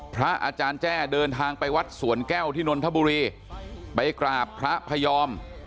พระอาจารย์แจ้เดินทางไปวัดสวนแก้วที่นนทบุรีไปกราบพระพยอม